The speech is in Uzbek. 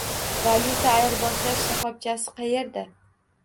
Valyuta ayirboshlash shaxobchasi qayerda?